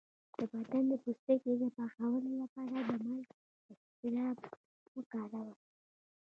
د بدن د پوستکي د پاکولو لپاره د مالګې اسکراب وکاروئ